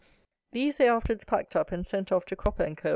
These they afterwards packed up and sent off to Cropper and Co.